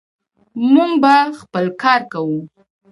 موږ به خپل کار کوو.